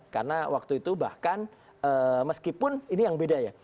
karena waktu itu bahkan meskipun ini yang beda ya